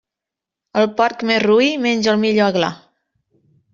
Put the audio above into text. El porc més roí menja el millor aglà.